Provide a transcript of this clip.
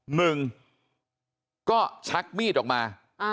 หนึ่งก็ชักมีดออกมา